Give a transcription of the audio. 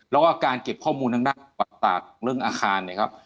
แล้วก็การเก็บข้อมูลด้านหน้าประวัติศาสตร์เรื่องอาคารเนี่ยครับ